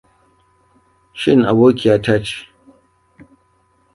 Shin abokiya ce?